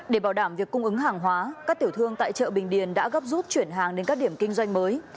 để bảo đảm việc cung ứng hàng hóa các tiểu thương tại chợ bình điền đã gấp rút chuyển hàng đến các điểm kinh doanh mới